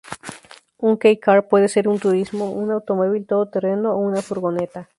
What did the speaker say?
Un "kei car" puede ser un turismo, un automóvil todoterreno o una furgoneta.